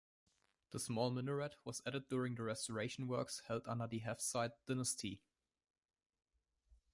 The small minaret was added during the restoration works held under the Hafsid dynasty.